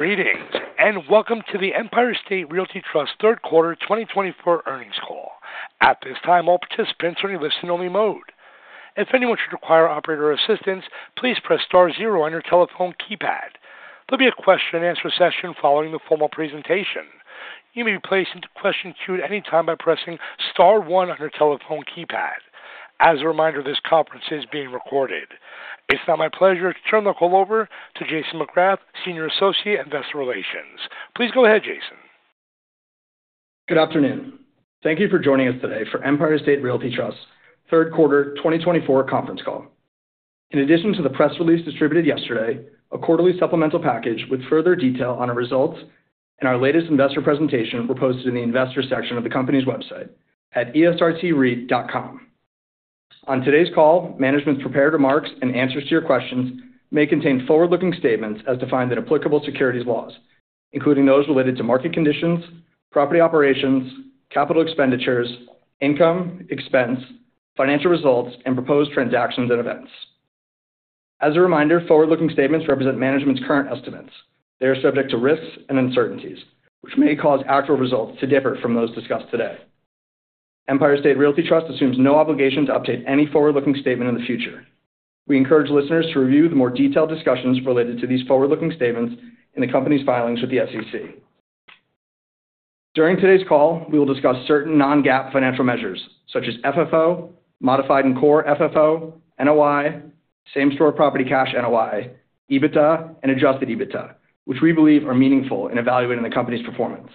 ...Greetings, and welcome to the Empire State Realty Trust third quarter 2024 earnings call. At this time, all participants are in listen-only mode. If anyone should require operator assistance, please press star zero on your telephone keypad. There'll be a question-and-answer session following the formal presentation. You may be placed into question queue at any time by pressing star one on your telephone keypad. As a reminder, this conference is being recorded. It's now my pleasure to turn the call over to Jason McGrath, Senior Associate, Investor Relations. Please go ahead, Jason. Good afternoon. Thank you for joining us today for Empire State Realty Trust third quarter twenty twenty-four conference call. In addition to the press release distributed yesterday, a quarterly supplemental package with further detail on our results and our latest investor presentation were posted in the investor section of the company's website at esrtreit.com. On today's call, management's prepared remarks and answers to your questions may contain forward-looking statements as defined in applicable securities laws, including those related to market conditions, property operations, capital expenditures, income, expense, financial results, and proposed transactions and events. As a reminder, forward-looking statements represent management's current estimates. They are subject to risks and uncertainties, which may cause actual results to differ from those discussed today. Empire State Realty Trust assumes no obligation to update any forward-looking statement in the future. We encourage listeners to review the more detailed discussions related to these forward-looking statements in the company's filings with the SEC. During today's call, we will discuss certain non-GAAP financial measures such as FFO, modified and core FFO, NOI, same store property cash NOI, EBITDA, and adjusted EBITDA, which we believe are meaningful in evaluating the company's performance.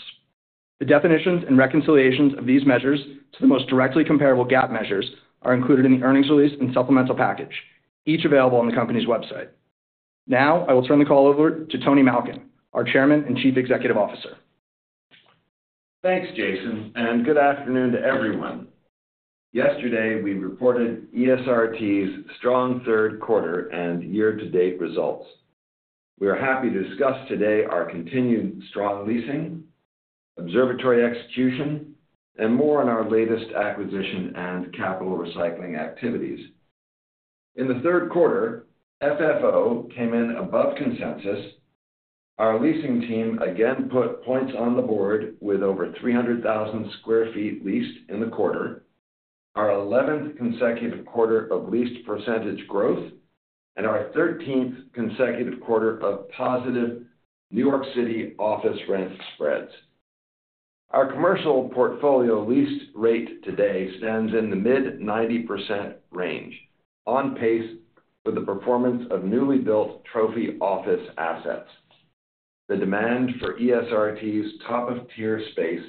The definitions and reconciliations of these measures to the most directly comparable GAAP measures are included in the earnings release and supplemental package, each available on the company's website. Now, I will turn the call over to Tony Malkin, our Chairman and Chief Executive Officer. Thanks, Jason, and good afternoon to everyone. Yesterday, we reported ESRT's strong third quarter and year-to-date results. We are happy to discuss today our continued strong leasing, observatory execution, and more on our latest acquisition and capital recycling activities. In the third quarter, FFO came in above consensus. Our leasing team again put points on the board with over 300,000 sq ft leased in the quarter, our eleventh consecutive quarter of leased percentage growth, and our thirteenth consecutive quarter of positive New York City office rent spreads. Our commercial portfolio lease rate today stands in the mid-90% range, on pace for the performance of newly built trophy office assets. The demand for ESRT's top-of-tier space,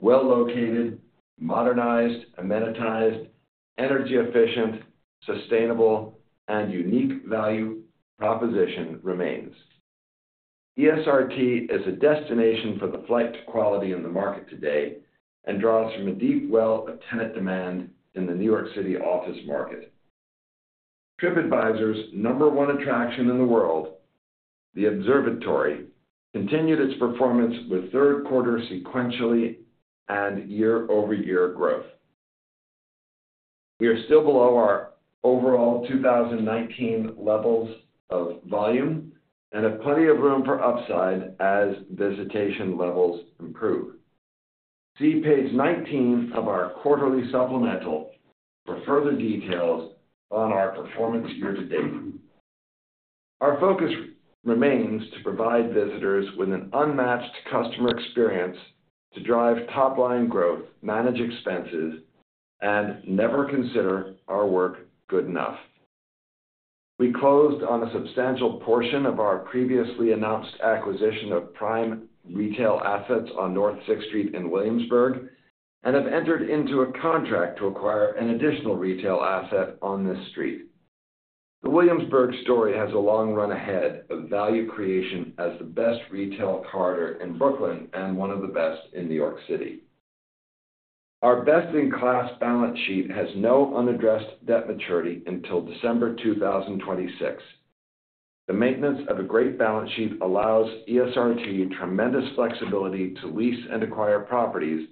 well-located, modernized, amenitized, energy efficient, sustainable, and unique value proposition remains. ESRT is a destination for the flight to quality in the market today and draws from a deep well of tenant demand in the New York City office market. Tripadvisor's number one attraction in the world, the observatory, continued its performance with third quarter sequentially and year-over-year growth. We are still below our overall 2019 levels of volume and have plenty of room for upside as visitation levels improve. See page 19 of our quarterly supplemental for further details on our performance year to date. Our focus remains to provide visitors with an unmatched customer experience to drive top-line growth, manage expenses, and never consider our work good enough. We closed on a substantial portion of our previously announced acquisition of prime retail assets on North Sixth Street in Williamsburg and have entered into a contract to acquire an additional retail asset on this street. The Williamsburg story has a long run ahead of value creation as the best retail corridor in Brooklyn and one of the best in New York City. Our best-in-class balance sheet has no unaddressed debt maturity until December 2026. The maintenance of a great balance sheet allows ESRT tremendous flexibility to lease and acquire properties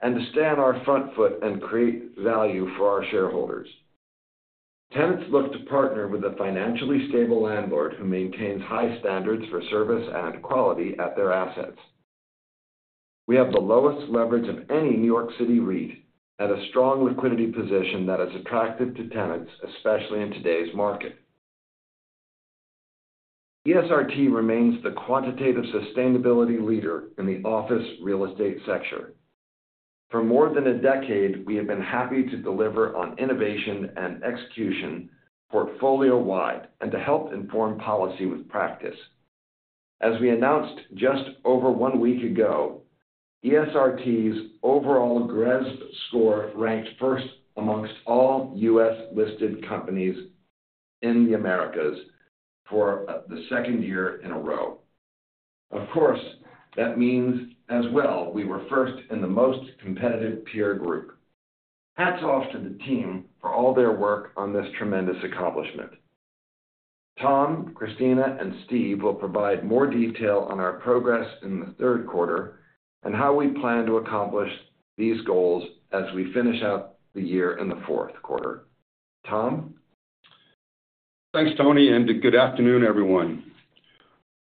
and to stay on our front foot and create value for our shareholders. Tenants look to partner with a financially stable landlord who maintains high standards for service and quality at their assets. We have the lowest leverage of any New York City REIT and a strong liquidity position that is attractive to tenants, especially in today's market. ESRT remains the quantitative sustainability leader in the office real estate sector. For more than a decade, we have been happy to deliver on innovation and execution portfolio-wide and to help inform policy with practice. As we announced just over one week ago, ESRT's overall GRESB score ranked first among all U.S.-listed companies in the Americas for the second year in a row. Of course, that means as well, we were first in the most competitive peer group. Hats off to the team for all their work on this tremendous accomplishment. Tom, Christina, and Steve will provide more detail on our progress in the third quarter and how we plan to accomplish these goals as we finish out the year in the fourth quarter. Tom?... Thanks, Tony, and good afternoon, everyone.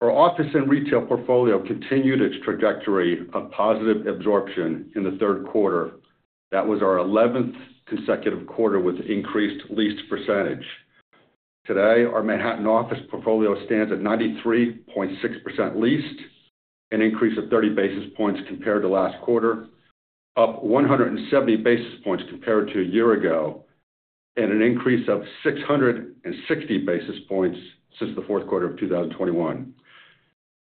Our office and retail portfolio continued its trajectory of positive absorption in the third quarter. That was our 11th consecutive quarter with increased leased percentage. Today, our Manhattan office portfolio stands at 93.6% leased, an increase of 30 basis points compared to last quarter, up 170 basis points compared to a year ago, and an increase of 660 basis points since the fourth quarter of 2021.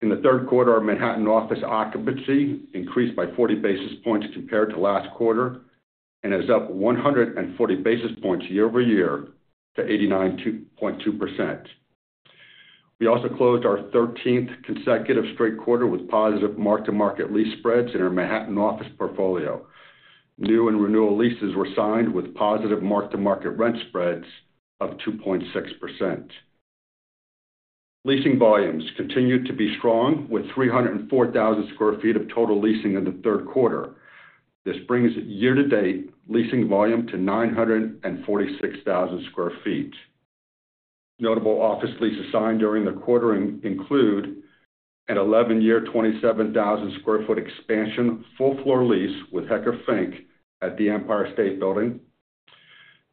In the third quarter, our Manhattan office occupancy increased by 40 basis points compared to last quarter and is up 140 basis points year over year to 89.2%. We also closed our 13th consecutive straight quarter with positive mark-to-market lease spreads in our Manhattan office portfolio. New and renewal leases were signed with positive mark-to-market rent spreads of 2.6%. Leasing volumes continued to be strong, with 304,000 sq ft of total leasing in the third quarter. This brings year-to-date leasing volume to 946,000 sq ft. Notable office leases signed during the quarter include an 11-year, 27,000 sq ft expansion, full floor lease with Hecker Fink at the Empire State Building.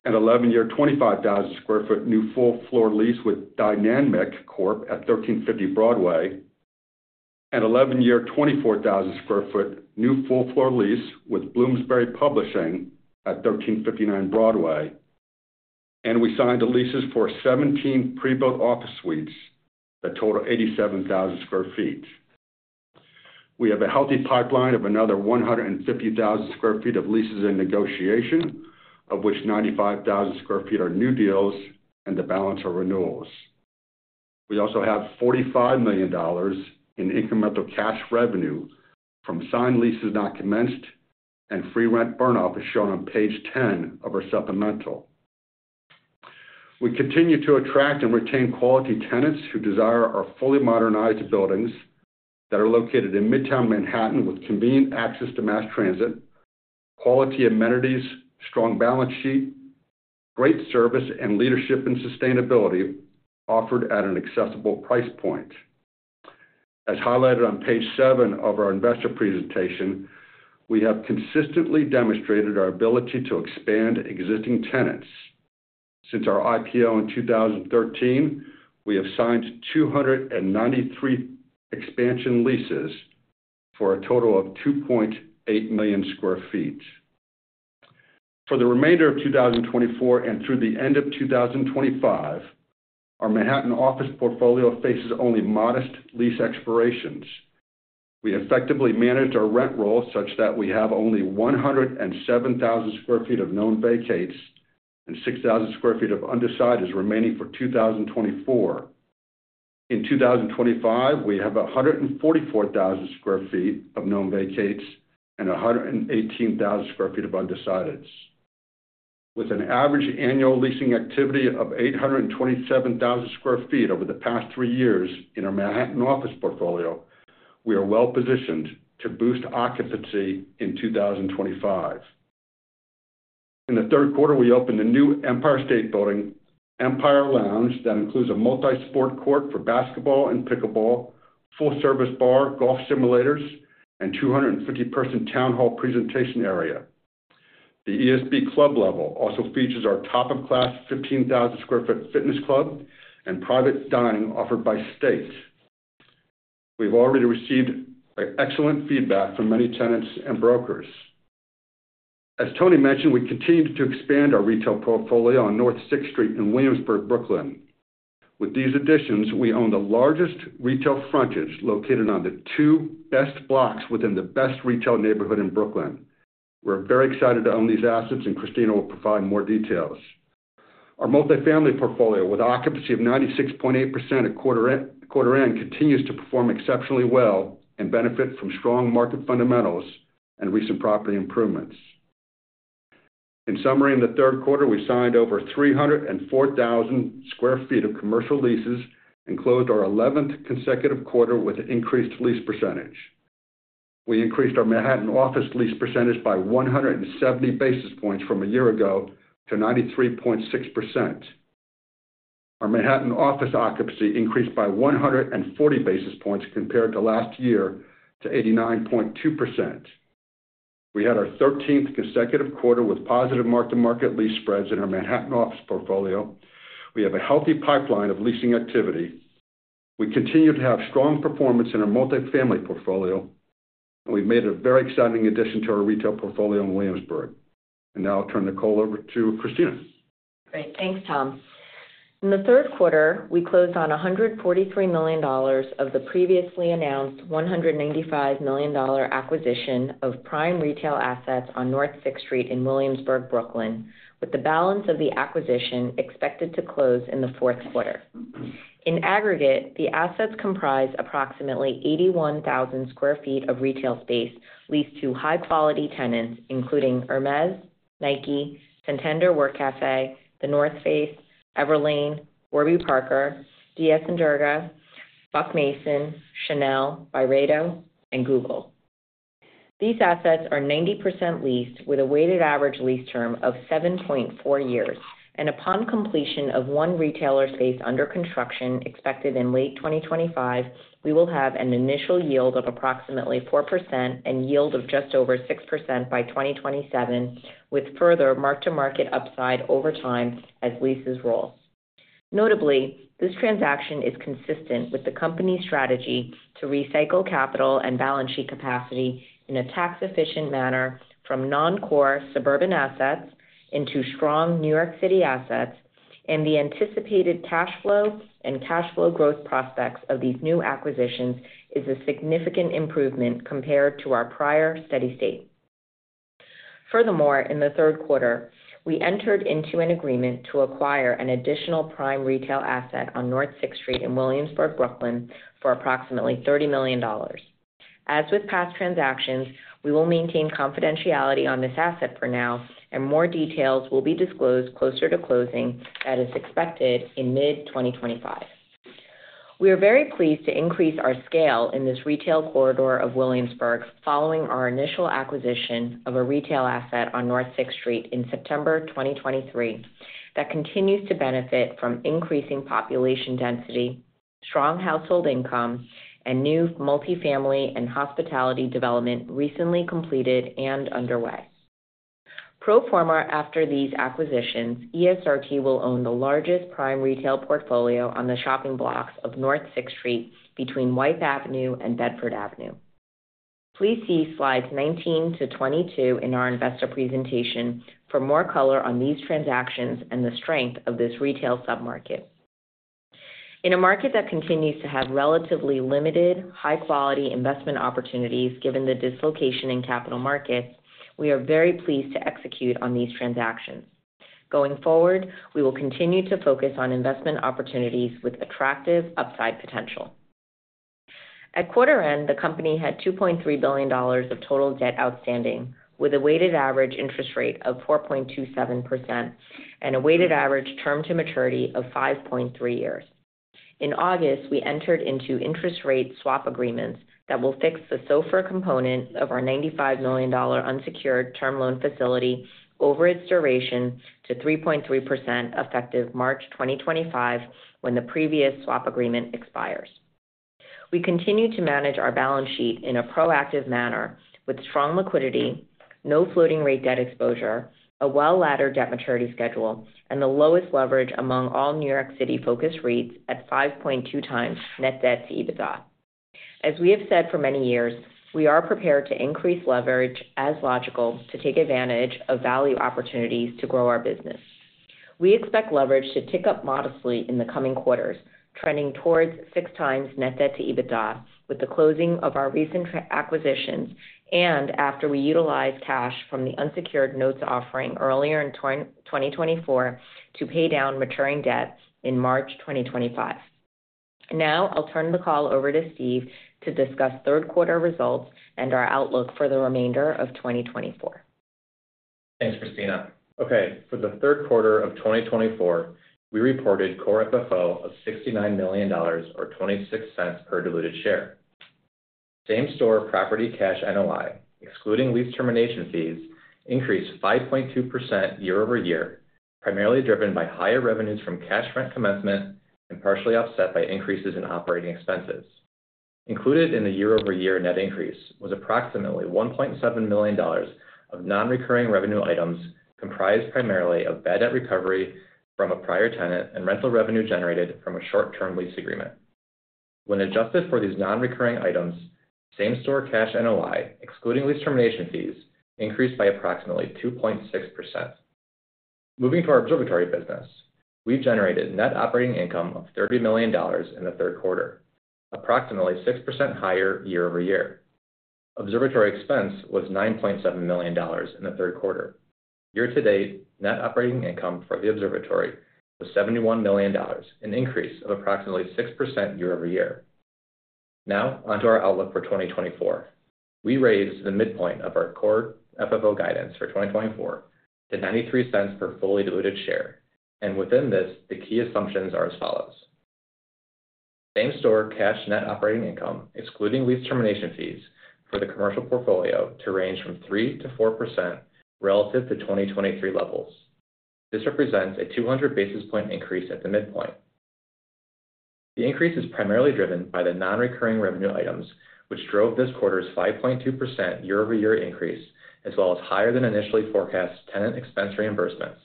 An 11-year, 25,000 sq ft new full floor lease with Dyninno at 1350 Broadway. An 11-year, 24,000 sq ft new full floor lease with Bloomsbury Publishing at 1359 Broadway. And we signed the leases for 17 pre-built office suites that total 87,000 sq ft. We have a healthy pipeline of another 150,000 sq ft of leases in negotiation, of which 95,000 sq ft are new deals and the balance are renewals. We also have $45 million in incremental cash revenue from signed leases not commenced, and free rent burn-off, as shown on page 10 of our supplemental. We continue to attract and retain quality tenants who desire our fully modernized buildings that are located in Midtown Manhattan, with convenient access to mass transit, quality amenities, strong balance sheet, great service, and leadership and sustainability offered at an accessible price point. As highlighted on page 7 of our investor presentation, we have consistently demonstrated our ability to expand existing tenants. Since our IPO in 2013, we have signed 293 expansion leases for a total of 2.8 million sq ft. For the remainder of 2024 and through the end of 2025, our Manhattan office portfolio faces only modest lease expirations. We effectively managed our rent roll such that we have only 107,000 sq ft of known vacates and 6,000 sq ft of undecided remaining for 2024. In 2025, we have 144,000 sq ft of known vacates and 118,000 sq ft of undecideds. With an average annual leasing activity of 827,000 sq ft over the past three years in our Manhattan office portfolio, we are well positioned to boost occupancy in 2025. In the third quarter, we opened a new Empire State Building, Empire Lounge, that includes a multi-sport court for basketball and pickleball, full-service bar, golf simulators, and 250-person town hall presentation area. The ESB club level also features our top of class, 15,000 sq ft fitness club and private dining offered by State. We've already received excellent feedback from many tenants and brokers. As Tony mentioned, we continued to expand our retail portfolio on North Sixth Street in Williamsburg, Brooklyn. With these additions, we own the largest retail frontage located on the two best blocks within the best retail neighborhood in Brooklyn. We're very excited to own these assets, and Christina will provide more details. Our multifamily portfolio, with occupancy of 96.8% at quarter end, continues to perform exceptionally well and benefit from strong market fundamentals and recent property improvements. In summary, in the third quarter, we signed over 304,000 sq ft of commercial leases and closed our eleventh consecutive quarter with increased lease percentage. We increased our Manhattan office lease percentage by 170 basis points from a year ago to 93.6%. Our Manhattan office occupancy increased by 140 basis points compared to last year, to 89.2%. We had our thirteenth consecutive quarter with positive mark-to-market lease spreads in our Manhattan office portfolio. We have a healthy pipeline of leasing activity. We continue to have strong performance in our multifamily portfolio, and we've made a very exciting addition to our retail portfolio in Williamsburg. And now I'll turn the call over to Christina. Great. Thanks, Tom. In the third quarter, we closed on $143 million of the previously announced $195 million acquisition of prime retail assets on North Sixth Street in Williamsburg, Brooklyn, with the balance of the acquisition expected to close in the fourth quarter. In aggregate, the assets comprise approximately 81,000 sq ft of retail space leased to high-quality tenants, including Hermès, Nike, Santander Work Café, The North Face, Everlane, Warby Parker, D.S. & Durga, Buck Mason, Chanel, Byredo, and Google.... These assets are 90% leased, with a weighted average lease term of 7.4 years, and upon completion of one retailer space under construction, expected in late 2025, we will have an initial yield of approximately 4% and yield of just over 6% by 2027, with further mark-to-market upside over time as leases roll. Notably, this transaction is consistent with the company's strategy to recycle capital and balance sheet capacity in a tax-efficient manner from non-core suburban assets into strong New York City assets, and the anticipated cash flow and cash flow growth prospects of these new acquisitions is a significant improvement compared to our prior steady state. Furthermore, in the third quarter, we entered into an agreement to acquire an additional prime retail asset on North Sixth Street in Williamsburg, Brooklyn, for approximately $30 million. As with past transactions, we will maintain confidentiality on this asset for now, and more details will be disclosed closer to closing, that is expected in mid-2025. We are very pleased to increase our scale in this retail corridor of Williamsburg, following our initial acquisition of a retail asset on North Sixth Street in September 2023 that continues to benefit from increasing population density, strong household income, and new multifamily and hospitality development recently completed and underway. Pro forma, after these acquisitions, ESRT will own the largest prime retail portfolio on the shopping blocks of North Sixth Street between Wythe Avenue and Bedford Avenue. Please see Slides 19-22 in our investor presentation for more color on these transactions and the strength of this retail submarket. In a market that continues to have relatively limited, high-quality investment opportunities, given the dislocation in capital markets, we are very pleased to execute on these transactions. Going forward, we will continue to focus on investment opportunities with attractive upside potential. At quarter end, the company had $2.3 billion of total debt outstanding, with a weighted average interest rate of 4.27% and a weighted average term to maturity of 5.3 years. In August, we entered into interest rate swap agreements that will fix the SOFR component of our $95 million unsecured term loan facility over its duration to 3.3%, effective March 2025, when the previous swap agreement expires. We continue to manage our balance sheet in a proactive manner with strong liquidity, no floating rate debt exposure, a well-laddered debt maturity schedule, and the lowest leverage among all New York City-focused REITs at 5.2 times net debt to EBITDA. As we have said for many years, we are prepared to increase leverage as logical to take advantage of value opportunities to grow our business. We expect leverage to tick up modestly in the coming quarters, trending towards six times net debt to EBITDA, with the closing of our recent acquisitions and after we utilize cash from the unsecured notes offering earlier in 2024 to pay down maturing debts in March 2025. Now I'll turn the call over to Steve to discuss third quarter results and our outlook for the remainder of 2024. Thanks, Christina. Okay, for the third quarter of 2024, we reported core FFO of $69 million, or $0.26 per diluted share. Same-store property cash NOI, excluding lease termination fees, increased 5.2% year over year, primarily driven by higher revenues from cash rent commencement and partially offset by increases in operating expenses. Included in the year-over-year net increase was approximately $1.7 million of non-recurring revenue items, comprised primarily of bad debt recovery from a prior tenant and rental revenue generated from a short-term lease agreement. When adjusted for these non-recurring items, same-store cash NOI, excluding lease termination fees, increased by approximately 2.6%. Moving to our observatory business. We've generated net operating income of $30 million in the third quarter, approximately 6% higher year over year. Observatory expense was $9.7 million in the third quarter. Year to date, net operating income for the observatory was $71 million, an increase of approximately 6% year over year. Now, on to our outlook for 2024. We raised the midpoint of our Core FFO guidance for 2024 to $0.93 per fully diluted share, and within this, the key assumptions are as follows: Same-store cash net operating income, excluding lease termination fees, for the commercial portfolio, to range from 3%-4% relative to 2023 levels. This represents a 200 basis point increase at the midpoint. The increase is primarily driven by the non-recurring revenue items, which drove this quarter's 5.2% year-over-year increase, as well as higher than initially forecast tenant expense reimbursements,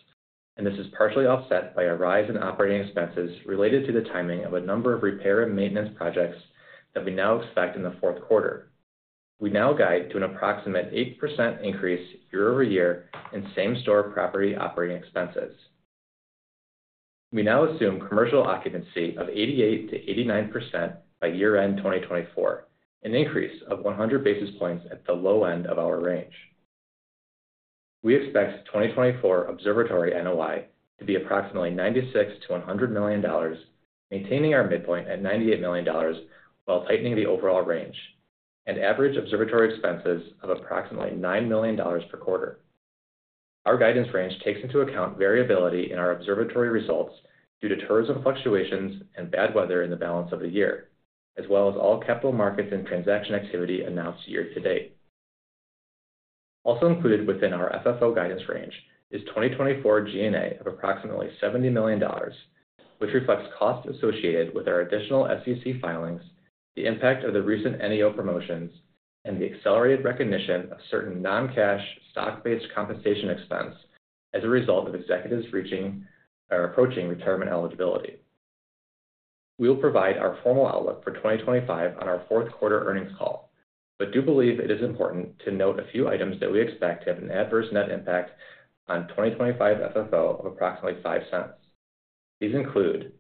and this is partially offset by a rise in operating expenses related to the timing of a number of repair and maintenance projects that we now expect in the fourth quarter. We now guide to an approximate 8% increase year over year in same-store property operating expenses. We now assume commercial occupancy of 88%-89% by year-end 2024, an increase of 100 basis points at the low end of our range. We expect 2024 observatory NOI to be approximately $96 million-$100 million, maintaining our midpoint at $98 million while tightening the overall range, and average observatory expenses of approximately $9 million per quarter. Our guidance range takes into account variability in our observatory results due to tourism fluctuations and bad weather in the balance of the year, as well as all capital markets and transaction activity announced year to date. Also included within our FFO guidance range is 2024 G&A of approximately $70 million, which reflects costs associated with our additional SEC filings, the impact of the recent NEO promotions, and the accelerated recognition of certain non-cash stock-based compensation expense as a result of executives reaching or approaching retirement eligibility. We'll provide our formal outlook for twenty twenty-five on our fourth quarter earnings call, but do believe it is important to note a few items that we expect to have an adverse net impact on twenty twenty-five FFO of approximately $0.05. These include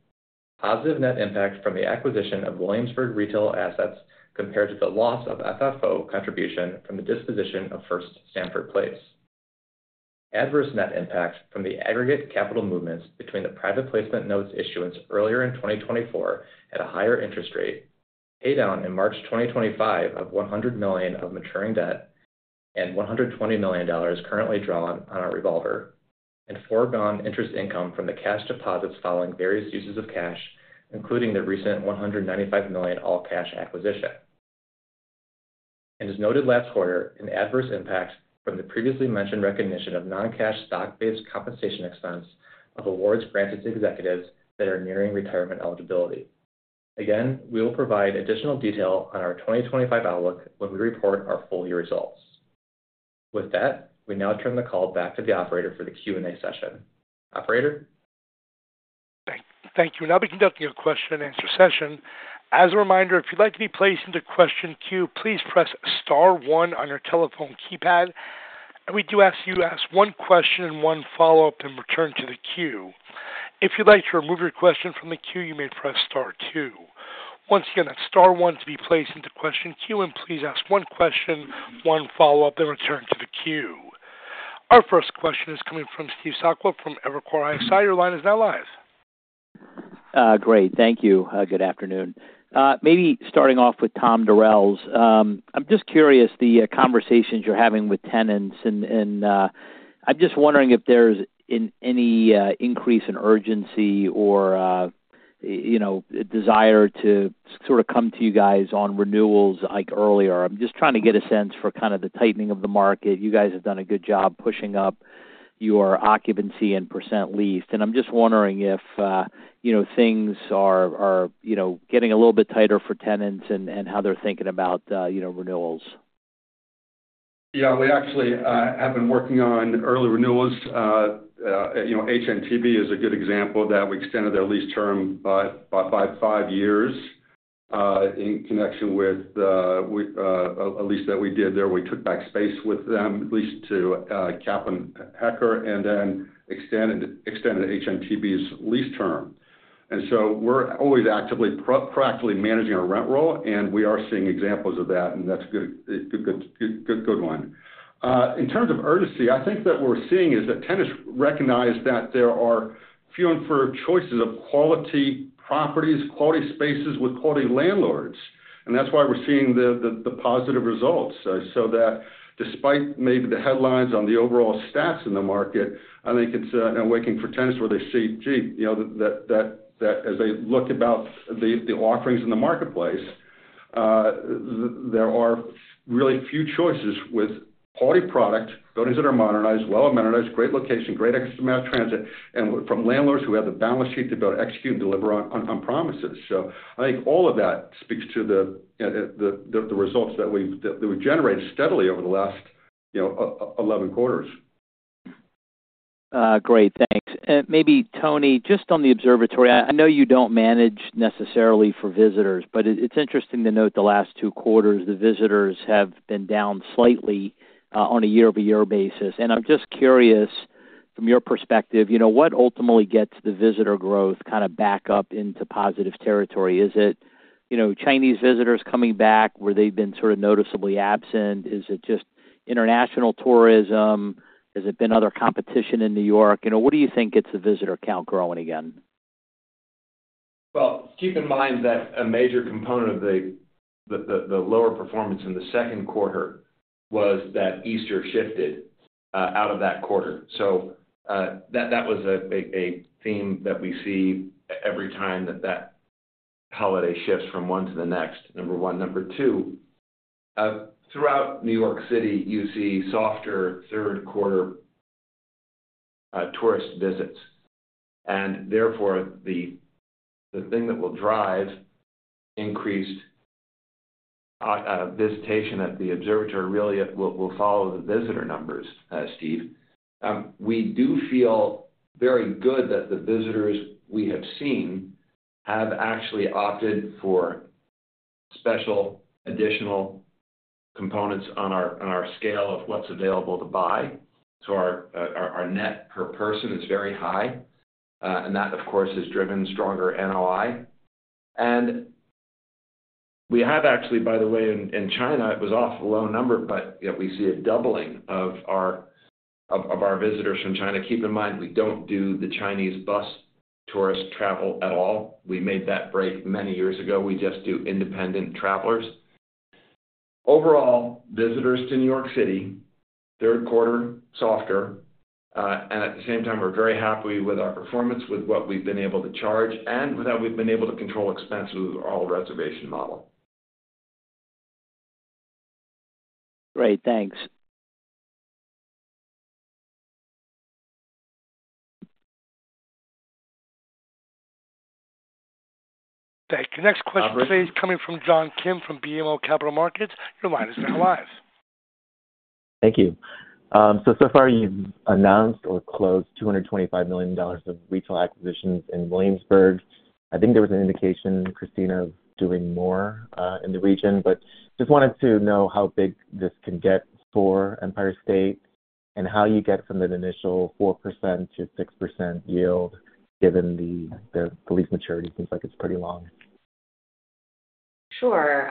positive net impact from the acquisition of Williamsburg retail assets compared to the loss of FFO contribution from the disposition of First Stamford Place. Adverse net impact from the aggregate capital movements between the private placement notes issuance earlier in twenty twenty-four at a higher interest rate, pay down in March twenty twenty-five of $100 million of maturing debt and $120 million currently drawn on our revolver, and foregone interest income from the cash deposits following various uses of cash, including the recent $195 million all-cash acquisition. As noted last quarter, an adverse impact from the previously mentioned recognition of non-cash stock-based compensation expense of awards granted to executives that are nearing retirement eligibility. Again, we will provide additional detail on our 2025 outlook when we report our full-year results. With that, we now turn the call back to the operator for the Q&A session. Operator? Thank you. We'll now be conducting a question-and-answer session. As a reminder, if you'd like to be placed into question queue, please press star one on your telephone keypad. And we do ask you to ask one question and one follow-up, and return to the queue. If you'd like to remove your question from the queue, you may press star two. Once again, that's star one to be placed into question queue, and please ask one question, one follow-up, and return to the queue. Our first question is coming from Steve Sakwa from Evercore ISI. Your line is now live. Great. Thank you. Good afternoon. Maybe starting off with Tom Durels. I'm just curious, the conversations you're having with tenants and, and, I'm just wondering if there's in any increase in urgency or, you know, desire to sort of come to you guys on renewals, like, earlier. I'm just trying to get a sense for kind of the tightening of the market. You guys have done a good job pushing up your occupancy and percent leased, and I'm just wondering if, you know, things are getting a little bit tighter for tenants and how they're thinking about, you know, renewals. Yeah, we actually have been working on early renewals. You know, HNTB is a good example of that. We extended their lease term by five years in connection with a lease that we did there. We took back space with them, leased to Kaplan Hecker, and then extended HNTB's lease term. And so we're always actively practically managing our rent roll, and we are seeing examples of that, and that's good, a good one. In terms of urgency, I think that what we're seeing is that tenants recognize that there are few and far choices of quality properties, quality spaces with quality landlords. And that's why we're seeing the positive results. So that despite maybe the headlines on the overall stats in the market, I think it's working for tenants where they see, gee, you know, that as they look about the offerings in the marketplace, there are really few choices with quality product, buildings that are modernized, well-amenitized, great location, great access to mass transit, and from landlords who have the balance sheet to be able to execute and deliver on promises. So I think all of that speaks to the results that we've generated steadily over the last, you know, eleven quarters. Great, thanks. Maybe Tony, just on the observatory, I know you don't manage necessarily for visitors, but it's interesting to note the last two quarters, the visitors have been down slightly on a year-over-year basis, and I'm just curious, from your perspective, you know, what ultimately gets the visitor growth kind of back up into positive territory? Is it, you know, Chinese visitors coming back, where they've been sort of noticeably absent? Is it just international tourism? Has it been other competition in New York? You know, what do you think gets the visitor count growing again? Keep in mind that a major component of the lower performance in the second quarter was that Easter shifted out of that quarter. So, that was a theme that we see every time that holiday shifts from one to the next, number one. Number two, throughout New York City, you see softer third quarter tourist visits, and therefore, the thing that will drive increased visitation at the Observatory really will follow the visitor numbers, Steve. We do feel very good that the visitors we have seen have actually opted for special additional components on our scale of what's available to buy. So our net per person is very high, and that, of course, has driven stronger NOI. We have actually, by the way, in China, it was off a low number, but yet we see a doubling of our visitors from China. Keep in mind, we don't do the Chinese bus tourist travel at all. We made that break many years ago. We just do independent travelers. ...Overall, visitors to New York City, third quarter, softer, and at the same time, we're very happy with our performance, with what we've been able to charge, and with how we've been able to control expenses with our all reservation model. Great, thanks. Thank you. Next question is coming from John Kim from BMO Capital Markets. Your line is now live. Thank you. So far you've announced or closed $225 million of retail acquisitions in Williamsburg. I think there was an indication, Christina, of doing more in the region, but just wanted to know how big this can get for Empire State and how you get from that initial 4% to 6% yield, given the lease maturity seems like it's pretty long. Sure.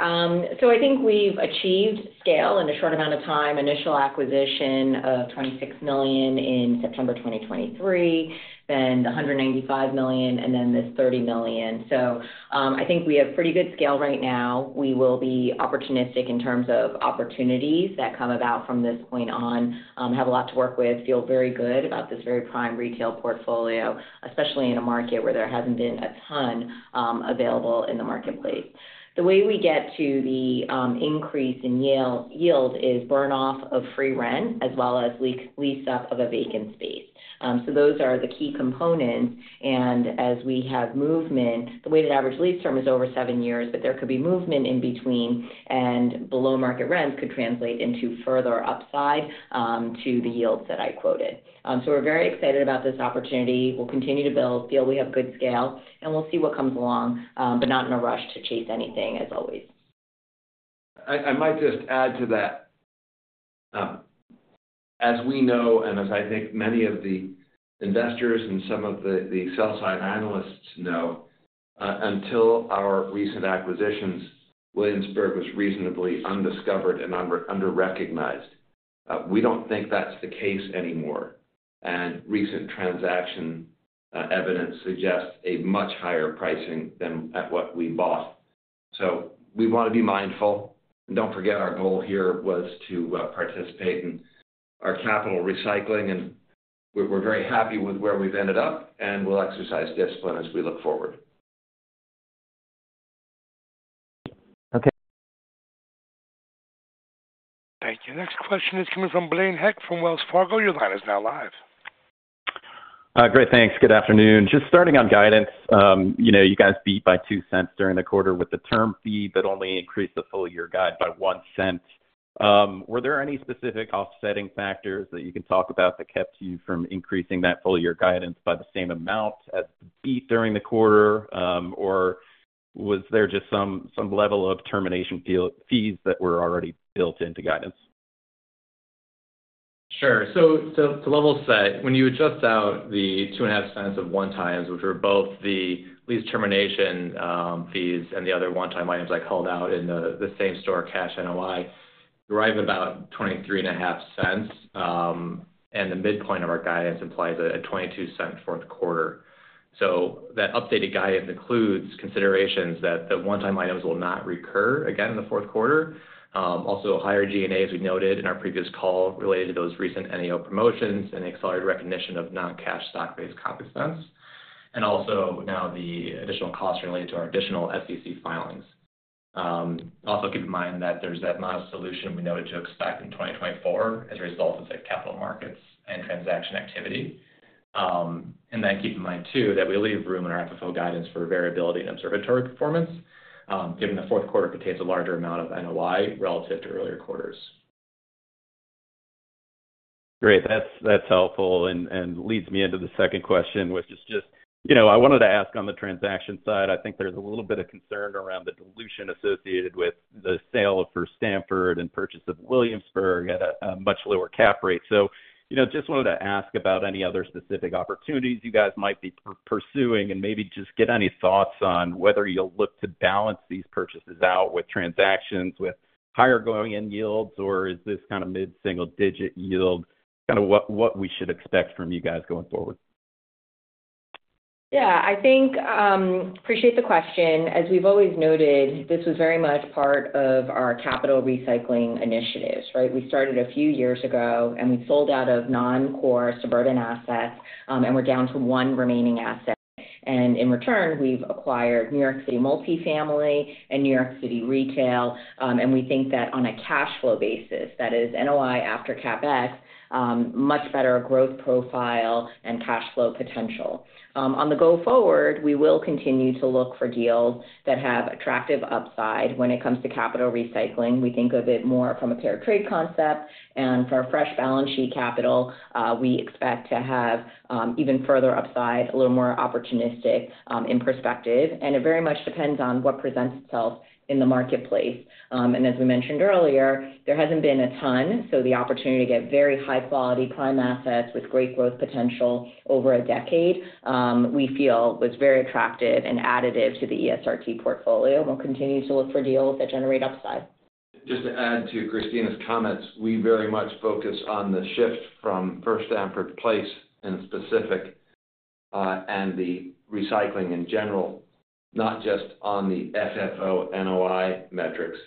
So I think we've achieved scale in a short amount of time. Initial acquisition of $26 million in September 2023, then the $195 million, and then this $30 million. So, I think we have pretty good scale right now. We will be opportunistic in terms of opportunities that come about from this point on. Have a lot to work with, feel very good about this very prime retail portfolio, especially in a market where there hasn't been a ton, available in the marketplace. The way we get to the, increase in yield is burn off of free rent, as well as lease-up of a vacant space. So those are the key components, and as we have movement, the weighted average lease term is over seven years, but there could be movement in between, and below market rents could translate into further upside to the yields that I quoted. So we're very excited about this opportunity. We'll continue to build, feel we have good scale, and we'll see what comes along, but not in a rush to chase anything as always. I might just add to that. As we know, and as I think many of the investors and some of the sell side analysts know, until our recent acquisitions, Williamsburg was reasonably undiscovered and underrecognized. We don't think that's the case anymore, and recent transaction evidence suggests a much higher pricing than at what we bought. So we want to be mindful. And don't forget, our goal here was to participate in our capital recycling, and we're very happy with where we've ended up, and we'll exercise discipline as we look forward. Okay. Thank you. Next question is coming from Blaine Heck, from Wells Fargo. Your line is now live. Great, thanks. Good afternoon. Just starting on guidance, you know, you guys beat by $0.02 during the quarter with the termination fee, but only increased the full-year guidance by $0.01. Were there any specific offsetting factors that you can talk about that kept you from increasing that full-year guidance by the same amount as the beat during the quarter, or was there just some level of termination fees that were already built into guidance? Sure. So to level set, when you adjust out the $0.025 of one-times, which were both the lease termination fees and the other one-time items I called out in the same store cash NOI, you arrive about $0.235, and the midpoint of our guidance implies a $0.22 fourth quarter. So that updated guidance includes considerations that the one-time items will not recur again in the fourth quarter. Also, higher G&A, as we noted in our previous call, related to those recent NEO promotions and accelerated recognition of non-cash stock-based comp expense, and also now the additional costs related to our additional SEC filings. Also keep in mind that there's that amount of dilution we know what to expect in 2024 as a result of the capital markets and transaction activity. And then keep in mind, too, that we leave room in our FFO guidance for variability and observatory performance, given the fourth quarter contains a larger amount of NOI relative to earlier quarters. Great. That's helpful and leads me into the second question, which is just, you know, I wanted to ask on the transaction side. I think there's a little bit of concern around the dilution associated with the sale of First Stamford Place and purchase of Williamsburg at a much lower cap rate. So, you know, just wanted to ask about any other specific opportunities you guys might be pursuing, and maybe just get any thoughts on whether you'll look to balance these purchases out with transactions with higher going in yields, or is this kind of mid-single digit yield kind of what we should expect from you guys going forward? Yeah, I think, appreciate the question. As we've always noted, this was very much part of our capital recycling initiatives, right? We started a few years ago, and we sold out of non-core suburban assets, and we're down to one remaining asset. And in return, we've acquired New York City multifamily and New York City retail, and we think that on a cash flow basis, that is NOI after CapEx, much better growth profile and cash flow potential. On the go forward, we will continue to look for deals that have attractive upside when it comes to capital recycling. We think of it more from a fair trade concept and for our fresh balance sheet capital, we expect to have even further upside, a little more opportunistic in perspective, and it very much depends on what presents itself in the marketplace. As we mentioned earlier, there hasn't been a ton, so the opportunity to get very high quality prime assets with great growth potential over a decade, we feel was very attractive and additive to the ESRT portfolio. We'll continue to look for deals that generate upside. Just to add to Christina's comments, we very much focus on the shift from First Stamford Place specifically and the recycling in general, not just on the FFO NOI metrics,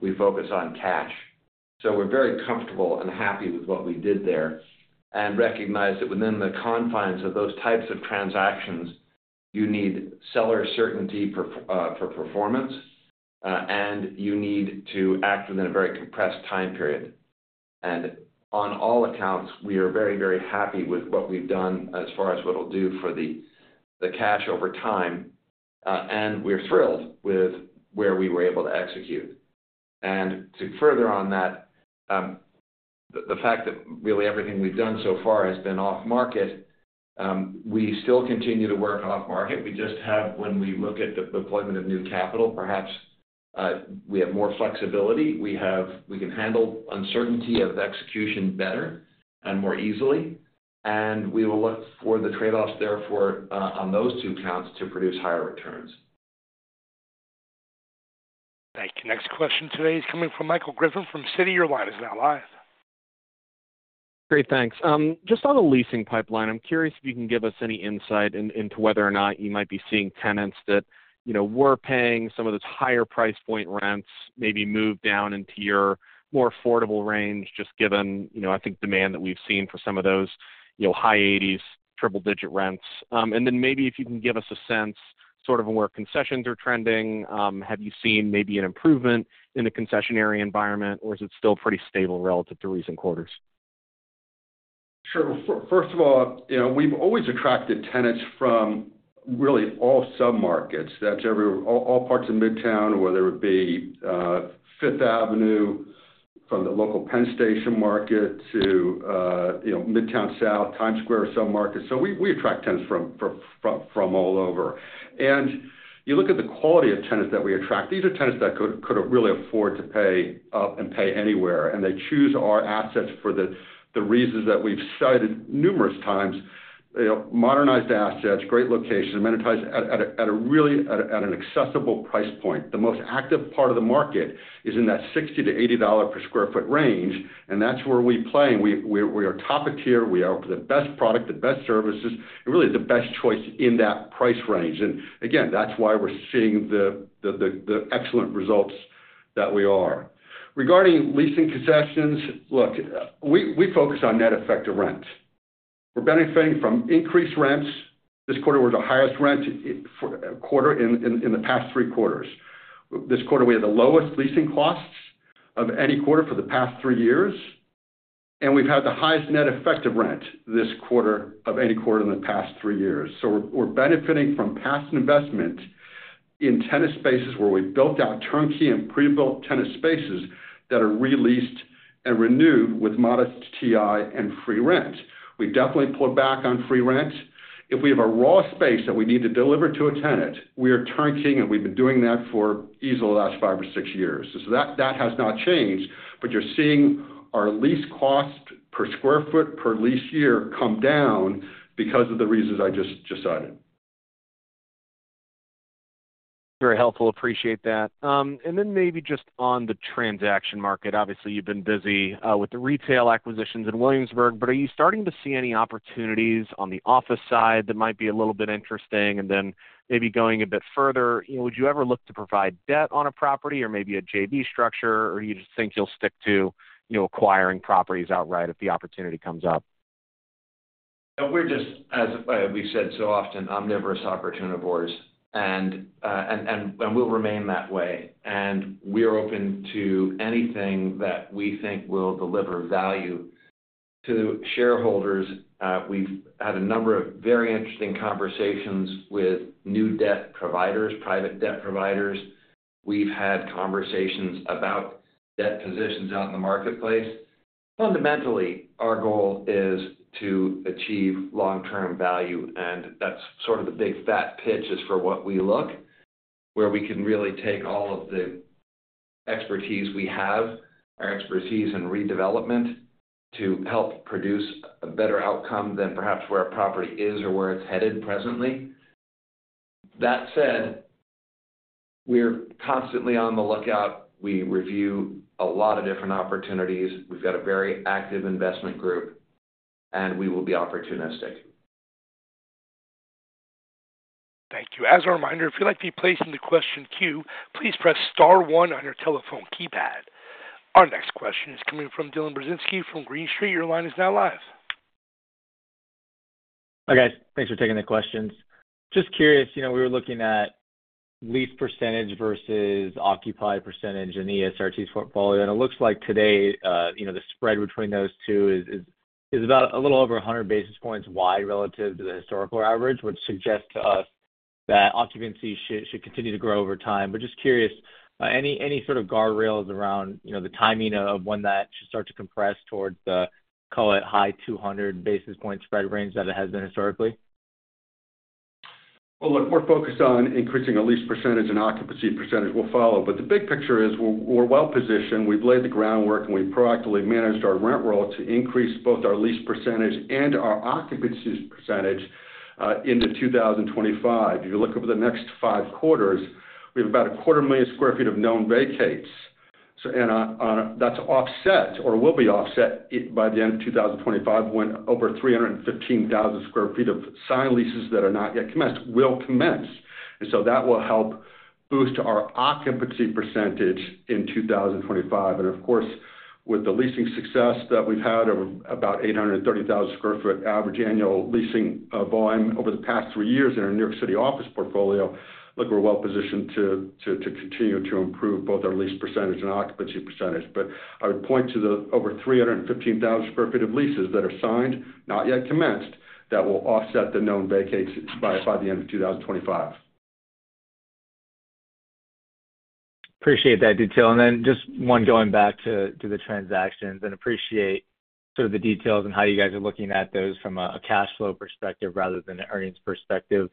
we focus on cash. So we're very comfortable and happy with what we did there, and recognize that within the confines of those types of transactions, you need seller certainty for performance, and you need to act within a very compressed time period, and on all accounts, we are very, very happy with what we've done as far as what it'll do for the cash over time, and we're thrilled with where we were able to execute, and to further on that, the fact that really everything we've done so far has been off market, we still continue to work off market. We just have, when we look at the deployment of new capital, perhaps, we have more flexibility. We can handle uncertainty of execution better and more easily, and we will look for the trade-offs, therefore, on those two counts to produce higher returns. Thank you. Next question today is coming from Michael Griffin from Citi. Your line is now live. Great, thanks. Just on the leasing pipeline, I'm curious if you can give us any insight into whether or not you might be seeing tenants that, you know, were paying some of those higher price point rents, maybe move down into your more affordable range, just given, you know, I think demand that we've seen for some of those, you know, high eighties, triple-digit rents. And then maybe if you can give us a sense, sort of where concessions are trending. Have you seen maybe an improvement in the concessionary environment, or is it still pretty stable relative to recent quarters? Sure. First of all, you know, we've always attracted tenants from really all submarkets. That's all parts of Midtown, whether it be Fifth Avenue, from the local Penn Station market to you know Midtown South, Times Square submarket. So we attract tenants from all over. And you look at the quality of tenants that we attract, these are tenants that could really afford to pay up and pay anywhere, and they choose our assets for the reasons that we've cited numerous times. You know, modernized assets, great locations, and monetized at a really accessible price point. The most active part of the market is in that $60-$80 per sq ft range, and that's where we play, and we are top tier. We offer the best product, the best services, and really the best choice in that price range. And again, that's why we're seeing the excellent results that we are. Regarding leasing concessions, look, we focus on net effective rent. We're benefiting from increased rents. This quarter was the highest rent for a quarter in the past three quarters. This quarter, we had the lowest leasing costs of any quarter for the past three years, and we've had the highest net effective rent this quarter of any quarter in the past three years. So we're benefiting from past investment in tenant spaces where we've built out turnkey and pre-built tenant spaces that are re-leased and renewed with modest TI and free rent. We definitely pulled back on free rent. If we have a raw space that we need to deliver to a tenant, we are turnkey, and we've been doing that for easily the last five or six years. So that has not changed, but you're seeing our lease cost per sq ft per lease year come down because of the reasons I just cited. Very helpful. Appreciate that, and then maybe just on the transaction market. Obviously, you've been busy with the retail acquisitions in Williamsburg, but are you starting to see any opportunities on the office side that might be a little bit interesting, and then maybe going a bit further, you know, would you ever look to provide debt on a property or maybe a JV structure, or you just think you'll stick to, you know, acquiring properties outright if the opportunity comes up? We're just, as we've said so often, omnivorous opportunivores, and we'll remain that way, and we are open to anything that we think will deliver value to shareholders. We've had a number of very interesting conversations with new debt providers, private debt providers. We've had conversations about debt positions out in the marketplace. Fundamentally, our goal is to achieve long-term value, and that's sort of the big fat pitch as for what we look, where we can really take all of the expertise we have, our expertise in redevelopment, to help produce a better outcome than perhaps where our property is or where it's headed presently. That said, we're constantly on the lookout. We review a lot of different opportunities. We've got a very active investment group, and we will be opportunistic. Thank you. As a reminder, if you'd like to be placed in the question queue, please press star one on your telephone keypad. Our next question is coming from Dylan Burzinski from Green Street. Your line is now live. Hi, guys. Thanks for taking the questions. Just curious, you know, we were looking at lease percentage versus occupied percentage in the ESRT's portfolio, and it looks like today, you know, the spread between those two is about a little over a hundred basis points wide relative to the historical average, which suggests to us that occupancy should continue to grow over time. But just curious, any sort of guardrails around, you know, the timing of when that should start to compress towards the, call it, high two hundred basis point spread range that it has been historically? Look, we're focused on increasing our lease percentage, and occupancy percentage will follow. But the big picture is we're well positioned. We've laid the groundwork, and we've proactively managed our rent roll to increase both our lease percentage and our occupancy percentage into two thousand and twenty-five. If you look over the next five quarters, we have about 250,000 sq ft of known vacates. So that's offset or will be offset by the end of two thousand and twenty-five, when over 315,000 sq ft of signed leases that are not yet commenced will commence. And so that will help boost our occupancy percentage in two thousand and twenty-five. Of course, with the leasing success that we've had of about 830,000 sq ft average annual leasing volume over the past three years in our New York City office portfolio, look, we're well positioned to continue to improve both our lease percentage and occupancy percentage. But I would point to the over 315,000 sq ft of leases that are signed, not yet commenced, that will offset the known vacates by the end of 2025. Appreciate that detail. Then just one going back to the transactions, and appreciate sort of the details and how you guys are looking at those from a cash flow perspective rather than an earnings perspective.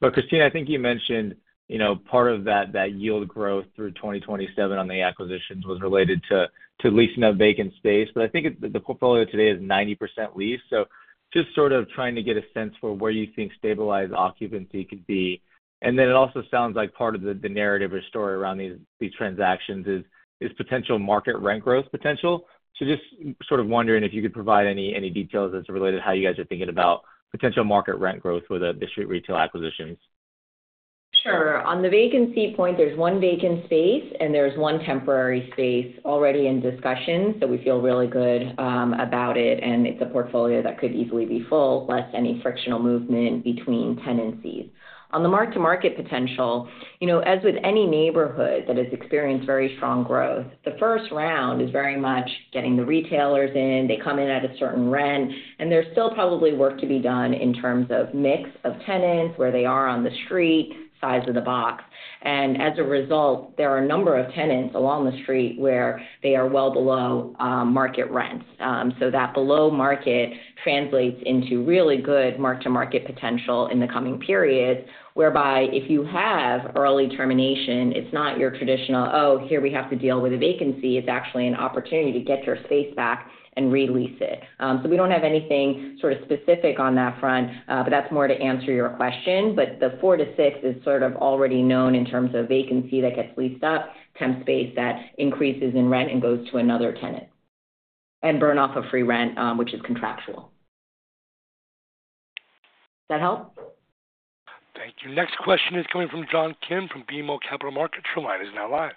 But Christina, I think you mentioned, you know, part of that yield growth through 2027 on the acquisitions was related to leasing of vacant space. But I think it, the portfolio today is 90% leased, so just sort of trying to get a sense for where you think stabilized occupancy could be. And then it also sounds like part of the narrative or story around these transactions is potential market rent growth potential. So just sort of wondering if you could provide any details as it related to how you guys are thinking about potential market rent growth with the street retail acquisitions. Sure. On the vacancy point, there's one vacant space, and there's one temporary space already in discussion. So we feel really good about it, and it's a portfolio that could easily be full, less any frictional movement between tenancies. On the mark-to-market potential, you know, as with any neighborhood that has experienced very strong growth, the first round is very much getting the retailers in. They come in at a certain rent, and there's still probably work to be done in terms of mix of tenants, where they are on the street, size of the box. And as a result, there are a number of tenants along the street where they are well below market rents. So that below market translates into really good mark-to-market potential in the coming periods, whereby if you have early termination, it's not your traditional, "Oh, here we have to deal with a vacancy." It's actually an opportunity to get your space back and re-lease it. So we don't have anything sort of specific on that front, but that's more to answer your question. But the four to six is sort of already known in terms of vacancy that gets leased up, tenant space that increases in rent and goes to another tenant, and burn off of free rent, which is contractual. That help? Thank you. Next question is coming from John Kim from BMO Capital Markets. Your line is now live.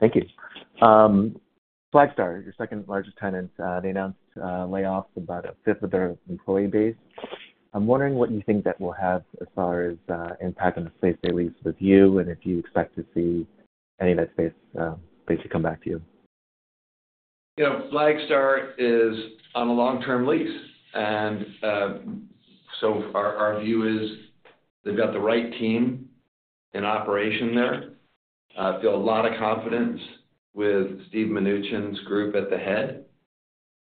Thank you. Flagstar, your second largest tenant, they announced layoffs about a fifth of their employee base. I'm wondering what you think that will have as far as impact on the space they lease with you, and if you expect to see any of that space to come back to you. You know, Flagstar is on a long-term lease, and so our view is they've got the right team in operation there. Feel a lot of confidence with Steve Mnuchin's group at the head,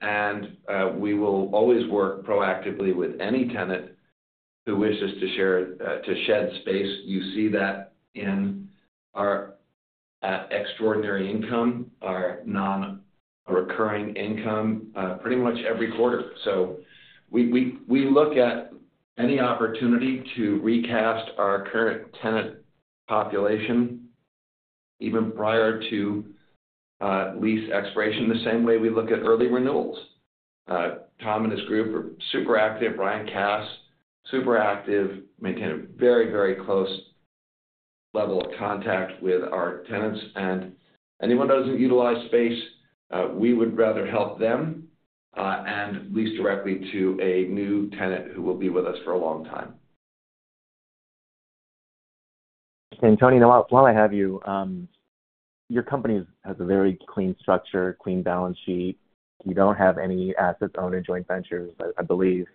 and we will always work proactively with any tenant who wishes to share to shed space. You see that in our extraordinary income, our non-recurring income, pretty much every quarter. So we look at any opportunity to recast our current tenant population even prior to lease expiration, the same way we look at early renewals. Tom and his group are super active. Ryan Kass, super active, maintain a very, very close level of contact with our tenants. And anyone doesn't utilize space, we would rather help them and lease directly to a new tenant who will be with us for a long time. Tony, now, while I have you, your company has a very clean structure, clean balance sheet. You don't have any assets owned in joint ventures, I believe.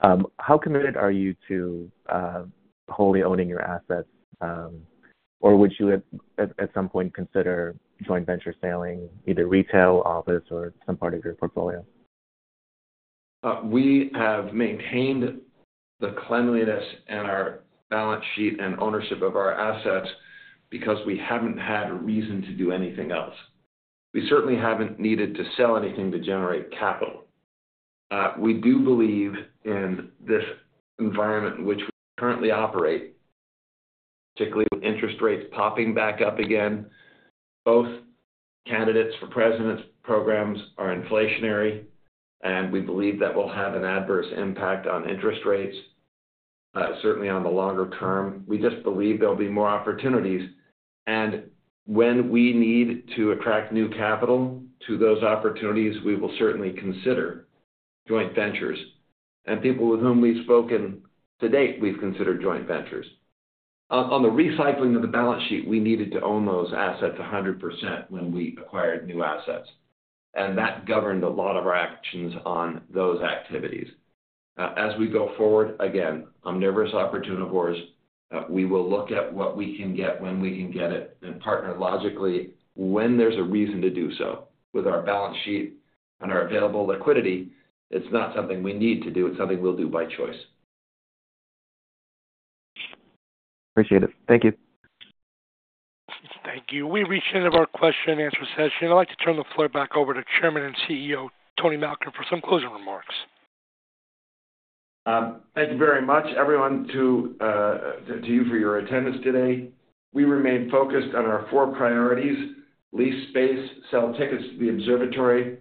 How committed are you to wholly owning your assets? Or would you at some point consider joint venturing, either retail, office or some part of your portfolio? We have maintained the cleanliness and our balance sheet and ownership of our assets because we haven't had a reason to do anything else. We certainly haven't needed to sell anything to generate capital. We do believe in this environment in which we currently operate, particularly with interest rates popping back up again, both candidates for president's programs are inflationary, and we believe that will have an adverse impact on interest rates, certainly on the longer term. We just believe there'll be more opportunities, and when we need to attract new capital to those opportunities, we will certainly consider joint ventures. And people with whom we've spoken to date, we've considered joint ventures. On the recycling of the balance sheet, we needed to own those assets 100% when we acquired new assets, and that governed a lot of our actions on those activities. As we go forward, again, I'm nervous opportunivores. We will look at what we can get, when we can get it, and partner logically when there's a reason to do so. With our balance sheet and our available liquidity, it's not something we need to do. It's something we'll do by choice. Appreciate it. Thank you. Thank you. We've reached the end of our question and answer session. I'd like to turn the floor back over to Chairman and CEO, Tony Malkin, for some closing remarks. Thank you very much, everyone, to you for your attendance today. We remain focused on our four priorities: lease space, sell tickets to the observatory,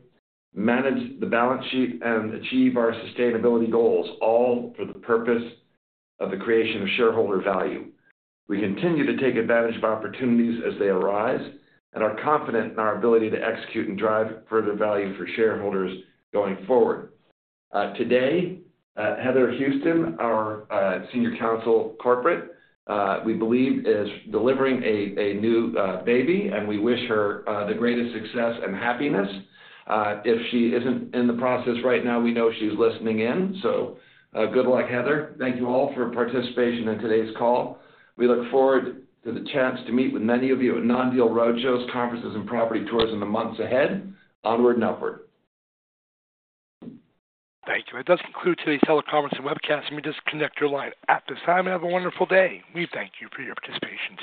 manage the balance sheet, and achieve our sustainability goals, all for the purpose of the creation of shareholder value. We continue to take advantage of opportunities as they arise and are confident in our ability to execute and drive further value for shareholders going forward. Today, Heather Houston, our Senior Counsel, Corporate, we believe is delivering a new baby, and we wish her the greatest success and happiness. If she isn't in the process right now, we know she's listening in, so good luck, Heather. Thank you all for your participation in today's call. We look forward to the chance to meet with many of you at non-deal road shows, conferences, and property tours in the months ahead. Onward and upward. Thank you. That does conclude today's teleconference and webcast. You may disconnect your line at this time. Have a wonderful day. We thank you for your participation.